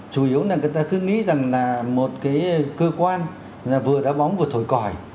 chủ yếu là người ta cứ nghĩ rằng là một cái cơ quan là vừa đá bóng vừa thổi còi